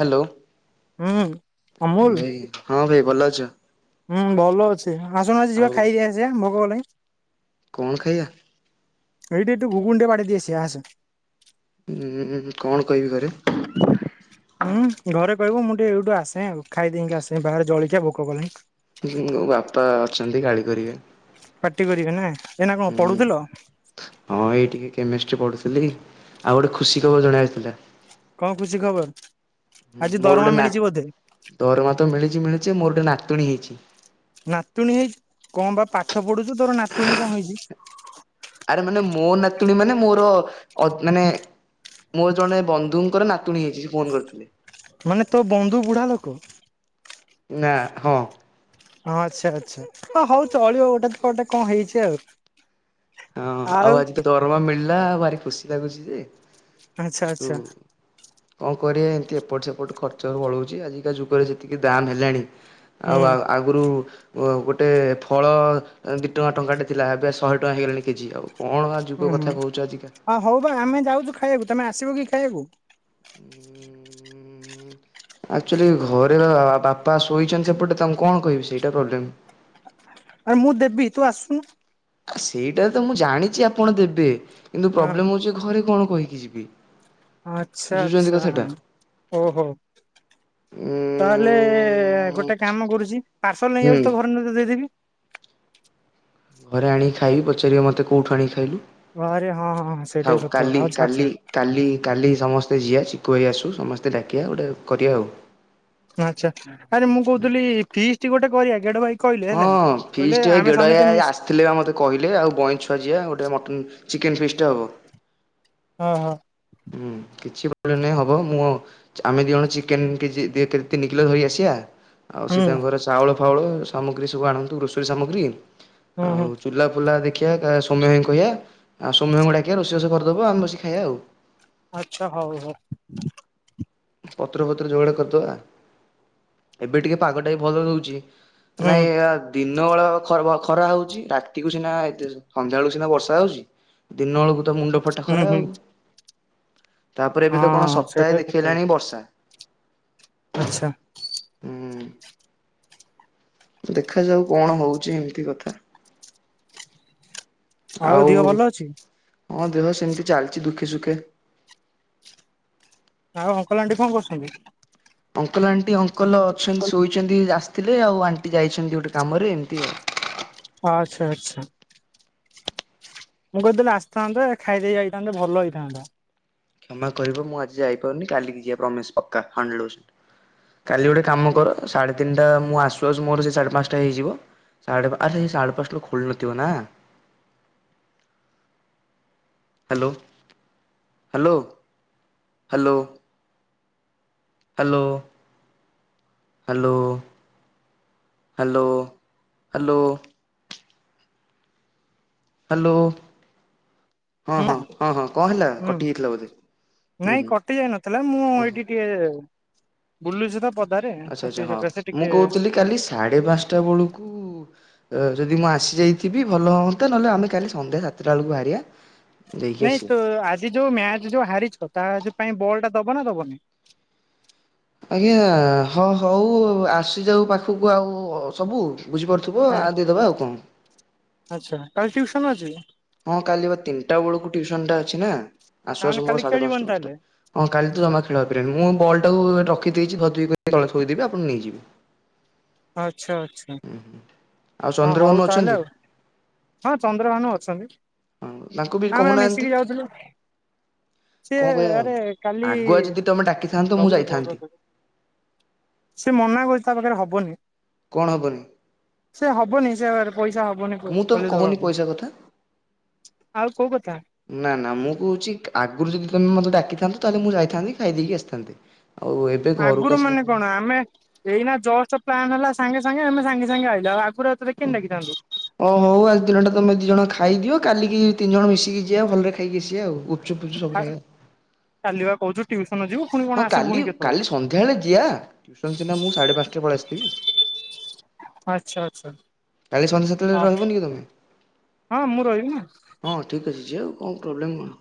Hello. ହୁଁ। ଅମୁଲ ଭାଇ ହଁ ଭାଇ ଭଲ ଅଛ? ହୁଁ ଭଲ ଅଛି ଆସୁନ ଆଜି ଯିବା ଆଉ ଖାଇକି ଆସିବା ଭୋକ କଲାଣି। କଣ ଖାଇବା? ଏଇଠି ଏଟି ଘୁଗୁନି ଟିକେ ବାଡ଼େଇ ଦେଇ ଆସିବା ଆସେ। ଉୁଁ କଣ କହିବି ଘରେ? ଉଁ ଘରେ କହିବ ମୁଁ ଟିକେ ଏଇଠୁ ଆସେ ଆଉ ଖାଇ ଦେଇକି ଆସେ ବାହାରେ ଜଲଖିଆ ଭୋକ କଲାଣି। ମୋ ବାପା ଅଛନ୍ତି ଗାଳି କରିବେ। ପାଟି କରିବେ ନା ଏଇନା କଣ ହୁଁ ପଢ଼ୁଥିଲ? ହଁ ଏଇ ଟିକେ କେମିଷ୍ଟ୍ରି ପଢ଼ୁଥିଲି ଆଉ ଗୋଟେ ଖୁସି ଖବର ଜଣେଇବାର ଥିଲା। କଣ ଖୁସି ଖବର ଆଜି ମୋର ଗୋଟେ ଦରମା ନା ମିଳିଛି ବୋଧେ? ଦରମା ତ ମିଳିଚି ମିଳିଚି ମୋର ଗୋଟେ ନାତୁଣୀ ହେଇଚି। ନାତୁଣୀ ହେଇଚି କଣ ବା ପାଠ ପଢୁଛୁ ତୋର ନାତୁଣୀ କଣ ହେଇଚି? ଆରେ ମାନେ ମୋ ନାତୁଣୀ ମାନେ ମୋର ଅ ମାନେ ମୋ ଜଣେ ବନ୍ଧୁଙ୍କର ନାତୁଣୀ ହେଇଚି ସେ ଫୋନ କରିଥିଲେ। ମାନେ ତୋ ବନ୍ଧୁ ବୁଢ଼ା ଲୋକ। ନା ହଁ। ହଁ ଆଚ୍ଛା ଆଚ୍ଛା ହ ହୋଉ ଚଳିବ ଗୋଟେ ଗୋଟେ କଣ ହେଇଚି ଆଉ। ହଁ ଆଉ ଆଜି ତ ଦରମା ମିଳିଲା ଭାରି ଖୁସି ଲାଗୁଛି ଯେ ଆଚ୍ଛା କିତୁ ଆଚ୍ଛା କଣ କରିବା ଏମିତି ଏପଟ ସେପଟ ଖର୍ଚ୍ଚ ପଳୋଉଚି ଆଜିକା ଯୁଗରେ ଯେତିକି ଦାମ୍ ହେଲାଣି ହୁଁ ଆଉ ଆ ଆଉ ଗୁରୁ ଗୋଟେ ଫଳ ଦି ଟଙ୍କା ଟଙ୍କାଟେ ଥିଲା ଏବେ ଶହେ ଟଙ୍କା ହେଇଗଲାଣି କେଜି ଆଉ। କଣ ବା ଯୁଗ କଥା କହୁଚ ଆଜିକା? ହୋଉ ବା ଆମେ ଯାଉଚୁ ଖାଇବାକୁ ତମେ ଆସିବ କି ଖାଇବାକୁ? ଆକଚୁଆଲି ଘରେ ବା ବାପା ଶୋଇଛନ୍ତି ସେପଟେ ତାଙ୍କୁ କଣ କହିବି ସେଇଟା ପ୍ରୋବ୍ଲେମ। ଆରେ ମୁଁ ଦେବି ତୁ ଆସୁନୁ। ଆ ସେଇଟା ତ ମୁଁ ଜାଣିଚି ଆପଣ ଦେବେ କିନ୍ତୁ ହଁ ପ୍ରୋବ୍ଲେମ୍ ହୋଉଚି ଘରେ କଣ କହିକି ଯିବି। ଆଛା ବୁଝୁଛନ୍ତି ଆଛା କଥାଟା ହୋଉ ହୋଉ। ତାହେଲେ ଉଁ ଗୋଟେ କାମ କରୁଚି ପାର୍ସଲ ହୁଁ ନେଇଯାଉଛି ତୋ ଘରେ ନହେଲେ ଦେଇଦେବି। ଘରେ ଆଣିକି ଖାଇବି ପଚାରିବେ ମତେ କୋଉଠୁ ଆଣିକି ଖାଇଲୁ। ଆରେ ହଁ ହଁ ସେଇଟା ଥାଉ ବି ସତ କାଲି କଥା ହଉ ଛାଡ଼େ କାଲି ଛାଡ଼େ। କାଲି କାଲି ସମସ୍ତେ ଯିଆ ଚିକୁ ଭାଇ ଆସୁ ସମସ୍ତେ ଡ଼ାକିବା ଗୋଟେ କରିବା ଆଉ। ନାଚା ଆରେ ମୁଁ କହୁଥିଲି ଫିଷ୍ଟ ଗୋଟେ କରିବା ଗେଡ଼ ଭାଇ କହିଲେ ହଁ ହେଲା କହିଲେ ଫିଷ୍ଟ ଭାଇ ଆମେ ଗେଡ଼ ସମସ୍ତେ ଭାଇ ଆ ଆ ମିଶି ଥିଲେ ବା ମୋତେ କହିଲେ ଆଉ ବଇଁ ଛୁଆଜିିଆ ଗୋଟେ ମଟନ୍ ଚିକେନ୍ ଫିଷ୍ଟ ହବ। ହଁ ହଁ। ହୁଁ କିଛି ପ୍ରୋବ୍ଲେମ୍ ନାହିଁ ହବ ମୁଁ ଆମେ ଦିଇ ଜଣ ଚିକେନ କେଜି ତିନି କିଲ ଧରି ଆସିଆ ଆଉ ହୁଁ ସିଏ ତାଙ୍କ ଘରେ ଚାଉଳ ଫାଉଳ ସାମଗ୍ରୀ ସବୁ ଆଣନ୍ତୁ ରୋଷେଇ ସାମଗ୍ରୀ। ହୁଁ ହୁଁ ଆଉ ଚୁଲା ଫୁଲା ଦେଖି। ଦେଖିବା ସୋମ୍ୟ ଭାଇଙ୍କୁ କହିବା ଆଉ ସୋମ୍ୟ ଡାକିିବା ରୋଷେଇ ବାସ କରିଦବ ଆମେ ବସି ଖାଇବା ଆଉ। ଆଛା ହଉ ହଉ। ପତ୍ର ପତ୍ର ଯୋଗାଡ଼ କରିଦବା ଏବେ ଟିକେ ପାଗ ଟା ବି ଭଲ ଦଉଛି। ହୁଁ ନାଇଁ। ଦିନ ବେଳା ଖରା ହଉଛି ରାତିକୁ ସିନା ଏ ସନ୍ଧ୍ୟାବେଳୁ ସିନା ବର୍ଷା ହଉଛି। ଦିନ ଵେଳକୁ ତ ମୁଣ୍ଡ ଫଟା ହୁଁ ଖରା ହୁଁ ଆଉ ତାପରେ ଏଵେ ତ କଣ ହଁ ସେଇଟା ସପ୍ତାହେ ବି ସତ କଥା ଦେଖେଇଲାଣି ବର୍ଷା ଆଚ୍ଛା। ହୁଁ ଦେଖାଯାଉ କଣ ହଉଚି ଏମିତି କଥା ଆଉ ଦିହ ଭଲ ଅଛି ହଁ ଦେହ ସେମିତି ଚାଲିଛି ଦୁଃଖେ ସୁଖେଃ ଆଉ ଅଙ୍କଲ୍ ଆଣ୍ଡି କଣ କରୁଛନ୍ତି? ଅଙ୍କଲ ଆଣ୍ଟି ଅଙ୍କଲ ଅଛନ୍ତି ଶୋଇଛନ୍ତି ଆସିଥିଲେ ଆଉ ଆଣ୍ଟି ଯାଇଛନ୍ତି ଗୋଟେ କାମରେ ଏମିତି ଆଉ ଆଚ୍ଛା ଆଚ୍ଛା। ମୁଁ କହିଥିଲି ଆସିଥାନ୍ତେ ଖାଇଦେଇ ଯାଇଥାନ୍ତେ ଭଲ ହେଇଥାନ୍ତା। କ୍ଷମା କରିବ ମୁଁ ଆଜି ଯାଇପାରୁନି କାଲି ଯିବା ପ୍ରମିଶ୍ ପକ୍କା ହଣ୍ଡ୍ରେଡ ପର୍ସେନ୍ଡ୍। କାଲି ଗୋଟେ କାମ କର ସାଢ଼େ ତିନ୍ଟା ମୁଁ ଆସୁ ଆସୁ ମୋର ସେ ସାଢେ ପାଞ୍ଚ ଟା ହେଇଯିବ। ସାଢେ ପା ଆରେ ସାଢେ ପାଞ୍ଚଟା ରୁ ଖୋଲି ନଥିବ ନାଁ hello hello hello. Hello. Hello hello hello. Hello ହଁ ହଁ ହେଲା ହଁ ହଁ କଁ ହେଲା ହୁଁ କଟିଯାଇଥିଲା ବୋଧେ? ହୁଁ ନାଇଁ ହୁଁ କଟି ଯାଇ ନଥିଲା ମୁଁ ଓହୋ ଏଇଠି ଟିକେ ବୁଲୁଛି ତ ପଦାରେ ଆଚ୍ଛା ଆଚ୍ଛା ସେଇ ହଁ ସକାସେ ମୁଁ ଟିକେ କହୁଥିଲି କାଲି ସାଢେ ପାଞ୍ଚ ଟା ବେଳକୁ ଅ ଯଦି ମୁଁ ଆସି ଯାଇଥିବି ଭଲ ହୁଅନ୍ତା ନହେଲେ ଆମେ କାଲି ସନ୍ଧ୍ୟା ସାତଟା ବେଳକୁ ବାହାରିବା। ଯାଇକି ନାଇଁ ଆସିବା। ତୁ ଆଜି ଯୋଉ ମ୍ୟାଚ ଯୋଉ ହାରିଚ ତା ଯୋଉ ପାଇଁ ବଲ୍ ଟା ଦବ ନା ଦବନି? ଆଜ୍ଞା ହଁ ହଉ ଆସିଯାଉ ପାଖକୁ ଆଉ ସବୁ ବୁଝିପାରୁଥିବ ହଁ ଆ ଦେଇଦେବା ଆଉ କଣ? ଆଚ୍ଛା କାଲି ଟିଉସନ୍ ଅଛି। ହଁ କାଲି ବା ତିନ୍ଟା ବେଳକୁ ଟ୍ୟୁସନ୍ ଟା ଅଛି ନା ଆସୁ ତାହେଲେ ଆସୁ ମୋର କାଲି ସାଢେ ପାଞ୍ଚ୍ ଖେଳିବନି ଟା ପାଞ୍ଚ୍ ଟା ତାହେଲେ ହଁ କାଲି ତ ଜମା ଖେଳହେଇପାରିବନି ମୁଁ ବଲ୍ ଟାକୁ ରଖି ଦେଇଛି ଗଦି ଉପ ତଳେ ଥୋଇଦେବି ଆପଣ ନେଇଯିବେ। [inaudible] ଆଚ୍ଛା ଆଚ୍ଛା। ହୁଁ ହଁ ହଉ ତାହେଲେ ଆଉ ହଁ ଚନ୍ଦ୍ରଭାନୁ ଅଛନ୍ତି। ହଁ ତାଙ୍କୁ ବି ଆମେ ବା କହୁନାହାନ୍ତି ମିଶିକି ଯାଉଥିଲୁ। ସିଏ କଣ କରିବା ଆଉ ଆରେ କାଲି ଆଗୁଆ ଯଦି ତମେ ଡାକିଥାନ୍ତ ମୁଁ ଦବୁ ରେ ବଲ ଯାଇଥାନ୍ତି ଦେ ସେ ମନା କରୁଚି ତା ପାଖରେ ହବନି। କଣ ହବନି? ସେ ହବନି ସେ ଆଉ ଆର ପଇସା ହବନି ମୁଁ ତ ଖୋଲି କହୁନି ଦବାକୁ ପଇସା କଥା ଆଉ କୋଉ କଥା? ନାଁ ନାଁ ମୁଁ କୋହୁଚି ଆଗରୁ ଯଦି ତମେ ମତେ ଡାକିଥାନ୍ତ ତାହେଲେ ମୁଁ ଯାଇଥାନ୍ତି ଖାଇ ଦେଇକି ଆସିଥାନ୍ତି। ଆଉ ଏ ଆଗରୁ ମାନେ କଣ ଆମେ ଏଇନା ଜଷ୍ଟ ପ୍ଲାନ୍ ହେଲା ସାଙ୍ଗେ ସାଙ୍ଗେ ଆମେ ସାଙ୍ଗେ ସାଙ୍ଗେ ଆଇଲୁ ଆଗରୁ ଆଉ ତତେ କେନ୍ତି ଡାକିଥାନ୍ତୁ। ଓ ହୋଉ ଆଜି ଦିନ ଟା ତମେ ଦି ଜଣ ଖାଇ ଦିଅ କାଲିି ତିନି ଜଣ ମିଶିକି ଜିଆ ଭଲରେ ଖାଇକି ଆସିବା ଆଉ ଗୁପ୍ ଚୁପ୍ ଫୁପ୍ ଚୁପ୍ ସବୁ ଖାଇବା। କାଲିବା କହୁଚୁ ଟ୍ୟୁସନ୍ ଯିବୁ। ପୁଣି କଣ ହଁ ଆସିବୁ ପୁଣି କାଲି କେତେବେଳେ କାଲି ସନ୍ଧ୍ୟାବେଳେ ଯିବା ଟ୍ୟୁସନ ସିନା ମୁଁ ସାଢ଼େ ପାଞ୍ଚ୍ ଟା ରେ ପଳେଇ ଆସିଥିବି। ଆଚ୍ଛା ଆଚ୍ଛା। କାଲି ସନ୍ଧ୍ୟା ସାତଟାରେ ହଁ ରହିବନି କି ତମେ ହଁ ମୁଁ ରହିବିନା ହଁ ଠିକ୍ ଅଛି ଯିବା ଆଉ କଣ ପ୍ରୋବଲେମ୍ କଣ।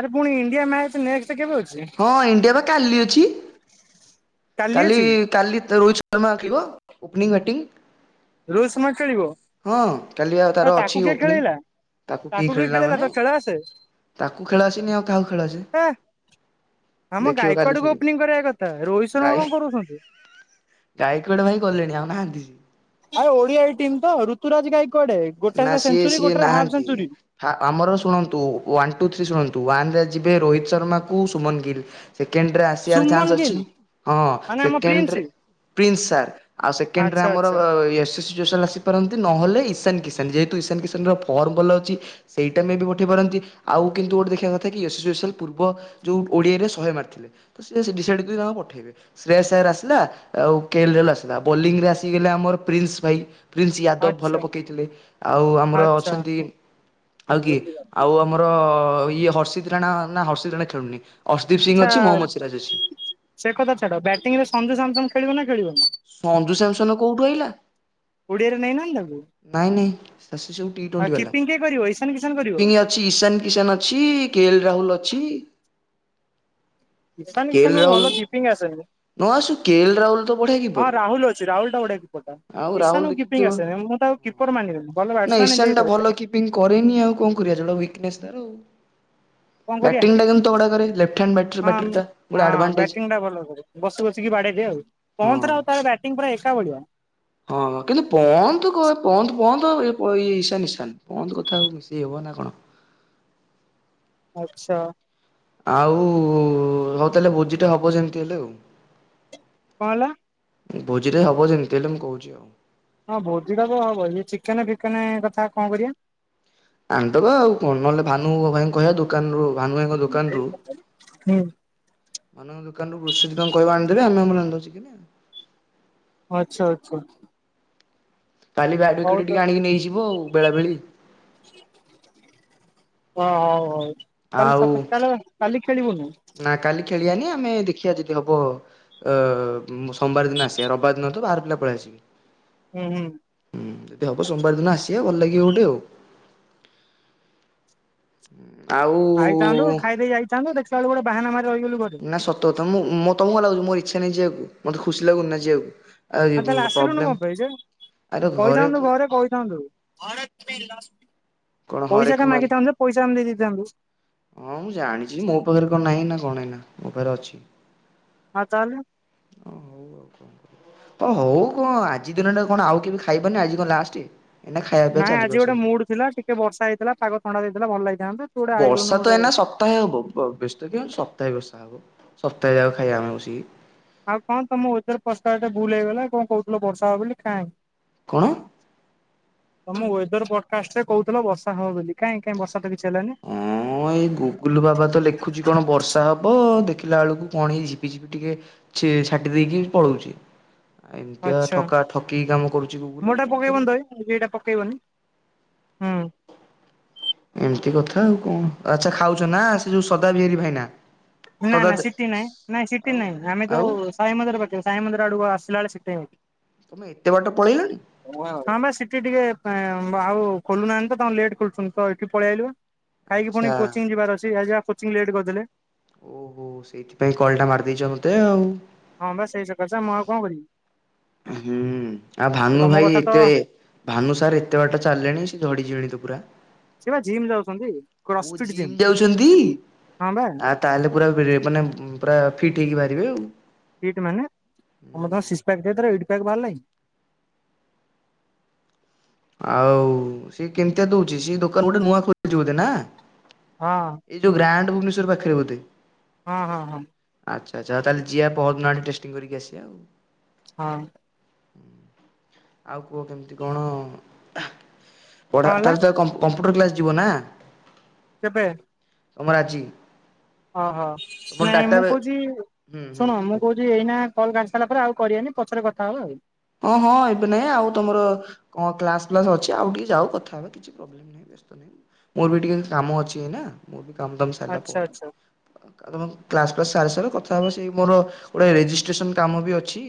ଆରେ ପୁଣି ଇଣ୍ଡିଆ ମ୍ୟାଚ ନେଷ୍ଟେ ସେ କେବେ ଅଛି। ହଁ ଇଣ୍ଡିଆ ବା କାଲି ଅଛି କାଲି କାଲି ତୋ ରୋହି ରୋହିତ୍ ଶର୍ମା ଖେଳିବ ଓପନିଂ ବଟିଂ। ରୋହିତ ଶର୍ମା ଖେଳିବ ହଁ କାଲି ଏ ତାର ତାକୁ ଅଛି କିଏ ଓପନିଂ। ଖେଳେଇଲା ତାକୁ କି କିଏ ଖେଳିଲା ଖେଳେଇଲା ମାନେ ତୋର ଖେଳ ଆସେ ତାକୁ ଖେଳ ଆସିନି ଆଉ କାହାକୁ ଖେଳଆସିନି। ହେ ଆମ ଗାୟିକା ଆଡକୁ ଖେଳିବ। ଓପନିଂ କରିବା କଥା ରୋହିତ ଶର୍ମା କଣ କରୁଛନ୍ତି। ଗାଇକୋ ଆଡ ଭାଇ ଗଲେଣି ଆଉ ନାହାନ୍ତି। ଆଉ ଓଡିଆ ଟିମ ତ ଋତୁରାଜ ଗାଈ କୁଆଡେ ଗୋଟେ ସେଞ୍ଚୁରୀ ଗୋଟେ ହାପ୍ ସେଞ୍ଚୁରି। ହା ଆମର ଶୁଣନ୍ତୁ ୱାନ ଟୁ ଥ୍ରୀ ଶୁଣନ୍ତୁ ୱାନରେ ଯିବେ ରୋହିତକୁ ଶର୍ମାକୁ ସୁମନ ଗିଲ୍। ସେକେଣ୍ଡରେ ଆସିବାର ସୁମନ ଚାନ୍ସ ଅଛି ଗିଲ୍ ହଁ ମାନେ ଆମ ପ୍ରିନ୍ସ ସେେଣ୍ଡରେ ପ୍ରିନ୍ସ ସ ଆଉ ସେକଣ୍ଡରେ ଆଚ୍ଛା ଆମର ଆଚ୍ଛା [unintelligible] ଆସିପାରନ୍ତି ନହେଲେ ଇଶାନ କିସାନ। ଯେହେତୁ ଇଶାନ କିଶାନର ଫର୍ ଭଲ ଅଛି ସେଇଟା ବି ପଠେଇ ପାରନ୍ତି ଆଉ କିନ୍ତୁ ଗୋଟେ ଦେଖିବା କଥା [unintelligible] କି ପୂର୍ବ ଯୋଉ ଓଡିଆରେ ଶହେ ମାରିଥିଲେ ତ ସେ ଡିସାଇଡ କରି ତାଙ୍କୁ ପଠେଇବେ। ଶ୍ରେୟ ସାର ଆସିଲା ଆଉ କେଲ ଆସିଲା ବୋଲିଂରେ ଆସିଗଲେ ଆମର ପ୍ରିନ୍ସ ଭାଇ। ପ୍ରିନ୍ସ ୟାଦବ ଭଲ ଆଚ୍ଛା ପକେଇଥିଲେ ଆଉ ଆମର ଆଚ୍ଛା ଅଛନ୍ତି ଆଉ କିଏ। ଆଚ୍ଛା ଆଉ ଆମର ଇଏ ହର୍ଷିତ ରାଣା ନା ହର୍ଷିତ ରାଣା ଖେଳୁନି। ଅସର୍ଦୀପ ସିଂ ଅଛି ମହମ୍ମଦ ସିରାଜ ଅଛି। ସେ କଥା ଛାଡ ବ୍ୟାଟିଂ ରେ ସଞ୍ଜୁ ସାମସଙ୍ଗ ଖେଳିବ ନା ଖେଳିବନି। ସଞ୍ଜୁ ସାମସନ କୋଉଠୁ ଅଇଲା। ଓଡିଆରେ ନେଇନାହାନ୍ତି ତାକୁ। ନାଇଁ ନାଇଁ। ଆଉ କିପିଙ୍ଗ କିଏ କରିବ ଇଶାନ କିଶାନ କରିବ [unintelligible] ଇଶାନ କିଶାନ ଅଛି କେ ଏଲ ରାହୁଲ ଅଛି। ଇସାନ କେଏଲ କିଷାନ ରାହୁଲ ଭଲ କିପିଙ୍ଗ ଆସେନି। ନ ଆସୁ କେଏଲ ରାହୁଲ ତ ବଢିଆ ହଁ କିପର ରାହୁଲ ଅଛି ରାହୁଲ ଟା ବଢିଆ କିପଟା ଆଉ ରାହୁଲ ଇଶାନ ଦେଖିଥିବ। କିପିଙ୍ଗ ଆସେନି ମୁଁ ତା କିପର ମାନେ ଭଲ ନା ବାଟ୍ସମ୍ୟାନ୍ ଇଶାନ ଟା ଭଲ ହେଇଥାଇପାରେ। କିପିଙ୍ଗ କରେନି ଆଉ କଣ କରିବା ଉଇକନେସ ତାର। କଣ କରିବା ବ୍ୟାଟିଙ୍ଗଟା ତାଗଡା କରେ ଲେପ୍ଟେ ହ୍ୟାଣ୍ଡ ବ୍ୟାଟର ଟା ପୁଣି ଆଡଭାଟେଜ। ନା ଭଲ କରେ। ବସି ବସିକି ବାଡେଇଦିଏ ପନ୍ଥ ହଁ। ର ଆଉ ତାର ବ୍ୟାଟିଂ ପୁରା ଏକା ଭଳିଆ। ହଁଁ କିନ୍ତୁ ପନ୍ଥ ପନ୍ଥ ଇଶାନ ଇଶାନ। ପନ୍ଥ କଥା ଆଉ ମିଶେଇ ହେବ ନା କଣ। ଆଚ୍ଛା। ଆଉ ହଉ ତାହେଲେ ଭୋଜିଟା ହବ ଯେମିତି ହେଲେ ଆଉ। କଣ ହେଲା। ଭୋଜିଟେ ହେବ ଯେମିତି ହେଲେ ମୁଁ କହୁଛି ଆଉ। ହଁ ଭୋଜିଟା ତ ହବ ଇଏ ଚିକେନେ ଫିକେନେ କଥା କଣ କରିବା? ଆଣିଦବା ଆଉ କଣ ନହେଲେ ଭାନୁ ଭାଇ କହିବା ଦୋକାନରୁୁ ଭାନୁ ଭାଇଙ୍କ ଦୋକାନରୁୁ ହୁଁ [unintelligible] ଦୋକାନରୁ [unintelligible] ତାଙ୍କୁ କହିବ ଆଣିଦେବେ ଆମେ ଆମର ଆଣିଦବା ଚିକେନେ ଆଉ। ଆଚ୍ଛା ଆଚ୍ଛା ଆ କାଲି ବି ଆଡ଼ଭେକେଟ୍ ଟିକେ ଆଣିକି ନେଇଯିବୁ ଆଉ ବେଳାବେଳୀ। ଓ ହଉ ହଉ ତାହାଲେ ଆଉ ସତରେ ତାହାଲେ କାଲି ଖେଳିବୁନୁ। ନା କାଲି ଖେଳିବାନି ଆମେ ଦେଖିଆ ଯଦି ହବ ଅ ସୋମବାର ଦିନ ଆସିବା ରବିବାର ଦିନ ତ ବାହର ପିଲା ପଳେଇ ଆସିବେ। ହୁଁ ହୁଁ। ହୁଁ ଯଦି ହବ ସୋମବାର ଦିନ ଆସିବା ଭଲ ଲାଗିବ ଗୋଟେ ଆଉ। ଆଉ [unintelligible] ଦେଖଲା ବେଳକୁ ଗୋଟେ ବାହାନାମାର୍ ରହିଗଲୁ ଘରେ। ନା ସତକୁ ସତ ମୁଁ ମୁଁ ତମକୁ କଣ ଲାଗୁଛି ମୋର ଇଛା ନାହିଁ ଯିବାକୁ ମତେ ଖୁସି ଲାଗୁନି ନା ଯିବାକୁ। ଆ ଆଉ ତାହେଲେ ଆସିଲୁନ ପ୍ରୋବ୍ଲେମ କଣ ପାଇଁ ଯେ କହିଥାନ୍ତୁ ଘରେ କହିଥାନ୍ତୁ? କଣ ହରେକ ପଇସା ଟା ମାଲ ମାଗିଥାନ୍ତୁ ଯେ ପଇସା ଆମେ ଦେଇ ଦେଇଥାନ୍ତୁ। ହଁ ମୁଁ ଜାଣିଛି ମୋ ପାଖରେ କଣ ନାହିଁ ନା କଣ ଏଇନା ମୋ ପାଖରେ ଅଛି। ଆଉ ତାହେଲେ ଅଉ ଆଉ। ହ ହଉ କଣ ଆଜି ଦିନଟା କଣ ଆଉ କେବେ ଖାଇବନି ଆଜି କଣ ଲାଷ୍ଟ। ଏଇନା ଖାଇବା ପିଇବା ନାଇଁ ଚାଲିବ ଆଜି ଗୋଟେ ସେମିତି। ମୁଡ଼ ଥିଲା ଟିକେ ବର୍ଷା ହେଇଥିଲା ପାଗ ଥଣ୍ଡା ଦେଇଥିଲା ଭଲ ଲାଗିଥନ୍ତା। ଅ ବର୍ଷା ତ ଏଇନା ସ ସପ୍ତାହେ ହବ ବ ବ୍ୟସ୍ତ କାଇଁ ହଉଛୁ ସପ୍ତାହେ ବର୍ଷା ହବ ସପ୍ତାହେ ଯାକ ଖାଇବା ଆମେ ବସିକି। ଆଉ କଣ ତମ ଉପରେ [unintelligible] ଭୁଲ୍ ହେଇଗଲା କଣ କହୁଥିଲ ବର୍ଷା ହବ ବୋଲି କାଇଁ? କଣ? ତମ ୱେଦର ପଡକାଷ୍ଟ ରେ କହୁଥିଲ ବର୍ଷା ହବ ବୋଲି କାଇଁ କାଇଁ ବର୍ଷା ତ କିଛି ହେଲାନି। ହଁ ଏଇ ଗୁଗୁଲୁ ବାବା ତ ଲେଖୁଛି କଣ ବର୍ଷା ହବ ଦେଖିଲା ବେଳକୁ କଣ ଏଇ ହେଇ ଝିପି ଝିପ ଟିକେ ଛେ ଛାଟି ଦେଇକି ପଳଉଛି। ଆ ଏମିତିଆ ଆଚ୍ଛା ଠକା ଠକି କାମ କରୁଛି ଗୁଗୁଲୁ ଆଉ ମୋରଟା କଣ କରିବା। [unintelligible] ପକେଇବନି ହଁ। ଏମିତି କଥା ଆଉ କଣ ଆଚ୍ଛା ଖାଉଛ ନା ସେ ଯୋଉ ସଦା ବିହାରୀ ଭାଇନା? ନାଁ ସଦା ନାଁ ସିଟି ନାଇଁ ନାଁ ସିଟିି ଆଉ ନାଇଁ ଆମେ ଆଉ ଜଉ ସାଇ ମନ୍ଦିର ପାଖରେ ସାଇମନ୍ଦିର ଆଡ଼କୁ ଆସିଲା ବେଳେ [unintelligible] ତମେ ଏତେ ବାଟ ପଳେଇଲଣି। ହଁ ବା ସେଠି ଟିକେ ବା ଆଉ ଖୋଲୁନାହାନ୍ତି ତ ତାଙ୍କର ଲେଟ୍ ଖୋଲୁଛନ୍ତି ତ ଏଇଠି ପଳେଇ ଆଇଲୁ ବା। ଖାଇକି ପୁଣି ଆଚ୍ଛା। କୋଚିଂ ଯିବାର ଅଛି ଆ ଯାହା କୋଚିଂ ଲେଟ୍ କରିଦେଲେ। ଓହୋ ସେଇଥିପାଇଁ କଲ୍ ଟା ମାରିଦେଇଛ ମତେ ଆଉ। ହଁ ବା ସେଇ ସକାଶେ ମୁଁ ଆଉ କଣ କରିବି? ହୁଁ ହୁଁ ଆଉ ଭାନୁ ତମ ଭାଇ କଥା ତ ଏତେ ଭାନୁ ସାର୍ ଏତେ ବାଟା ଚାଲିଲେଣି ସେ ଝଡ଼ି ଯିବେଣି ତ ପୁରା? ସେ ବା ଜିମ୍ ଯାଉଛନ୍ତି ଓ କ୍ରସଫିଟ ଜିମ୍ ଯାଉଛନ୍ତି ହଁ ବା ଆ ତାହେଲେ ପୁରା [unintelligible] ମାନେ ପୁରା ଫିଟ୍ ହେଇକି ବାହାରିବେ ଆଉ। ଫିଟ୍ ମାନେ ସମସ୍ତଙ୍କ ସିଶ୍ ପ୍ୟାକ୍ କହୁଥିରେ ଏଇଟ୍ ପ୍ୟାକ୍ ବାହାରିଲାଣି। ଆଉ ସିଏ କେମିତିଆ ଦଉଛି ସେ ଦୋକାନ ଗୋଟେ ନୂଆ ଖୋଲିଛି ବୋଧେ ନା? ହଁ। ଏଇ ଯେଉ ଗ୍ରାଣ୍ଡ ଭୁବନେଶ୍ୱର ପାଖରେ ବୋଧେ? ହଁ ହଁ ହଁ। ଆଚ୍ଛା ଆଚ୍ଛ ଆ ତାହେଲେ ଯିବା ପରଦିନ ଟେଷ୍ଟିଙ୍ଗ୍ କରିକି ଆସିବା ଆଉ। ହଁ। ଆଉ କୁହ କେମିତି କଣ କଣ ହେଲା ପଢା଼ [unintelligible] କମ୍ପ୍ୟୁଟର କ୍ଲାସ ଯିବ ନା? କେବେ? ଆମର ଆଜି। ଓହୋ ତମର ନାଇଁ ଡାଟା ମୁଁ କହୁଛି ହୁଁ ଶୁଣ ହୁଁ ମୁଁ କହୁଛି ଏଇନା କଲ୍ କାଟି ସାରିଲା ପରେ ଆଉ କରିବେନି ପଛରେ କଥା ହବା ଆଉ। ହଁ ହଁ ଏବେ ନାଇଁ ଆଉ ତମର କଣ କ୍ଲାସ ଫ୍ଲାସ ଅଛି ଆଉ ଟିକେ ଯାଉ କଥା ହେବା କିଛି ପ୍ରୋବ୍ଲେମ୍ ନାହିଁ। ମୋର ବି ଟିକେ କାମ ଅଛି ନା କାମ ଦାମ୍ ସାରିଲା ଆଚ୍ଛା ପରେ ଆଚ୍ଛା ଆଉ ତମ କ୍ଲାସ୍ ଫ୍ଲାସ୍ ସାରି ସାର କଥା ହବା ସେଇ ମୋର ଗୋଟେ ରେଜିଷ୍ଟ୍ରେସନ କାମ ବି ଅଛି।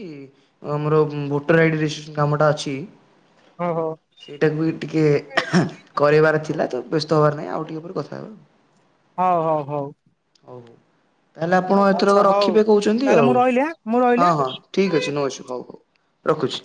ଆମର ଭୋଟର ଆଇଡି଼ କାମଟା ଅଛି। ହଁ ହଉ। ସେଇଟାକୁ ବି ଟିକେ କରାଇବାର ଥିଲା ତ ବ୍ୟସ୍ତ ହବାର ନାହିଁ ଆଉ ଟିକଏ ପରେ କଥା ହେବା। [inaudible] ହଁ ହଁ ହଉ। ହଉ ତାହେଲେ ଆପଣ ଏଥର ଆଚ୍ଛା ହଉ ରଖିବେ କହୁଛନ୍ତି ତାହେଲେ ମୁଁ ଆଉ ରହିଲି ଆଁ ମୁଁ ରହିଲି ହଁ ଆଁ। ହଁ। ଠିକ୍ ଅଛି ନଉଛି ହଉ ହଉ। ରଖୁଛି।